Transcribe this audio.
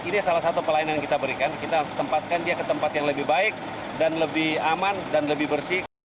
ini salah satu pelayanan yang kita berikan kita tempatkan dia ke tempat yang lebih baik dan lebih aman dan lebih bersih